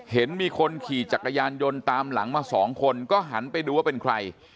เห็นมีคนขี่จักรยานยนต์ตามหลังมาสองคนก็หันไปดูว่าเป็นใคร